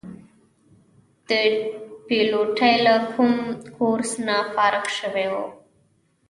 د پیلوټۍ له کوم کورس نه فارغ شوي وو.